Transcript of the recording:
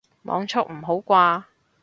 網速唔好啩